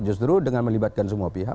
justru dengan melibatkan semua pihak